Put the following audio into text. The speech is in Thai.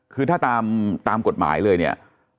คือถ้าตามกฎหมายเลยเนี่ย